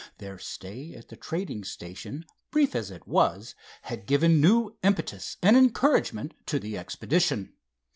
Their stay at the trading station, brief as it was, had given new impetus and encouragement to the expedition.